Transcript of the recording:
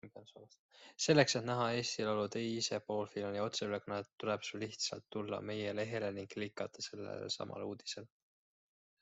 Selleks, et näha Eesti Laulu teise poolfinaali otseülekannet, tuleb sul lihtsalt tulla meie lehele ning klikkida sellel samal uudisel!